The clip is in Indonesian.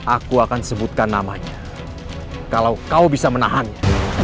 aku akan sebutkan namanya kalau kau bisa menahanku